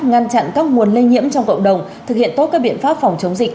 ngăn chặn các nguồn lây nhiễm trong cộng đồng thực hiện tốt các biện pháp phòng chống dịch